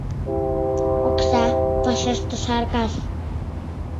— Окса, — вашештыш Аркаш.